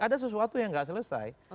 ada sesuatu yang nggak selesai